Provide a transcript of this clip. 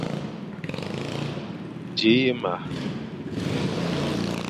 Dji ye ma.